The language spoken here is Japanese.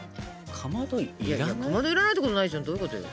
かまど要らないってことないでしょどういうことよ。